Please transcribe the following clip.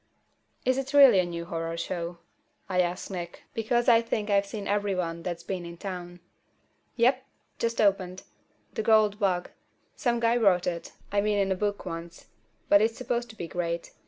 "Is it really a new horror show?" I ask Nick, because I think I've seen every one that's been in town. "Yup. Just opened. The Gold Bug. Some guy wrote it—I mean in a book once—but it's supposed to be great.